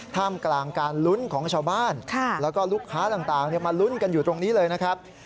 ท่ามกลางการลุ้นของชาวบ้านแล้วก็ลูกค้าต่างมาลุ้นกันอยู่ตรงนี้เลยนะครับ